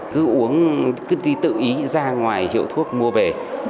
cứ uống cứ ti tự ý ra ngoài hiệu thuốc mua về